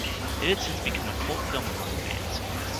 It has since become a cult film among fans.